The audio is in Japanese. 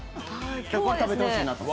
今日は食べてほしいなと思って。